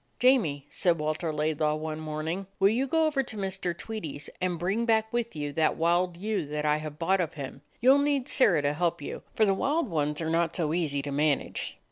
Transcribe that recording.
"Jamie," said Walter Laidlaw one morn ing, "will you go over to Mr. Tweedie's and bring back with you that wild ewe I have bought of him? You 'll need Sirrah to help you, for the wild ones are not so easy to man age."